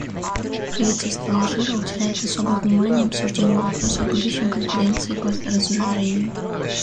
Правительство Алжира уделяет особое внимание обсуждению вопроса о будущем Конференции по разоружению.